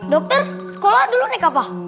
dokter sekolah dulu naik apa